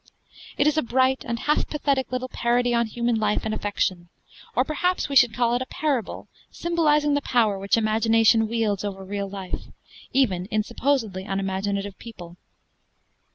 It is a bright and half pathetic little parody on human life and affection; or perhaps we should call it a parable symbolizing the power which imagination wields over real life, even in supposedly unimaginative people.